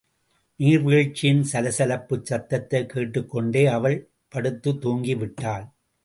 நீர்வீழ்ச்சியின் சலசலப்புச் சத்தத்தைக் கேட்டுக்கொண்டே அவள் படுத்துத் தூங்கி விட்டாள்.